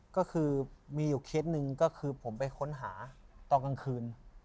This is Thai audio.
ก็คือมีอยู่เคสหนึ่งก็คือผมไปค้นหาตอนกลางคืน